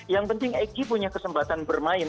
yang penting egy punya kesempatan bermain